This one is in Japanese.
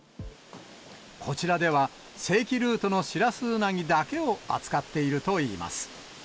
こちらでは、正規ルートのシラスウナギだけを扱っているといいます。